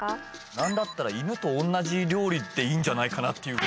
何だったら犬と同じ料理でいいんじゃないかなってぐらい。